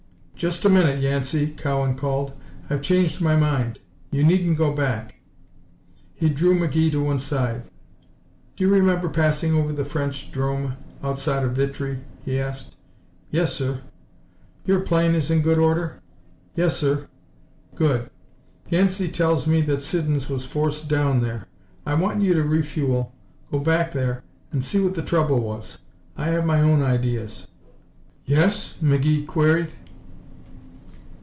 "Just a minute, Yancey!" Cowan called. "I've changed my mind. You needn't go back." He drew McGee to one side. "Do you remember passing over the French 'drome outside of Vitry?" he asked. "Yes, sir." "Your plane is in good order?" "Yes, sir." "Good. Yancey tells me that Siddons was forced down there. I want you to refuel, go back there and see what the trouble was. I have my own ideas." "Yes?" McGee queried.